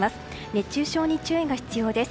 熱中症に注意が必要です。